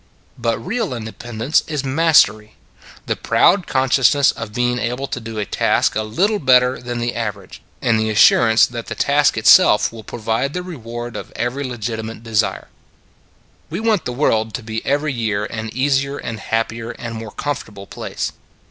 But real independence is mastery the proud consciousness of being able to do a task a little better than the average, and the assurance that the task itself will pro vide the reward of every legitimate desire. We want the world to be every year an easier and happier and more comfortable place.